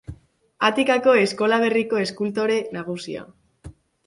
Atikako eskola berriko eskultore nagusia.